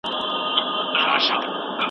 د خوړو مسمومیت په اړه راپورونه خپاره شوي دي.